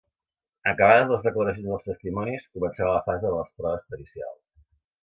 Acabades les declaracions dels testimonis, començarà la fase de les proves pericials.